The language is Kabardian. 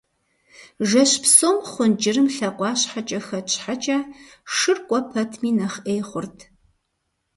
Жэщ псом хъун кӏырым лъакъуащхьэкӏэ хэт щхьэкӏэ, шыр кӏуэ пэтми нэхъ ӏей хъурт.